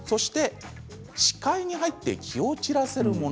視界に入って気を散らせるもの